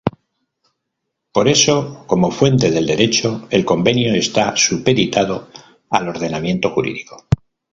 Por eso, como fuente del Derecho, el convenio está supeditado al ordenamiento jurídico.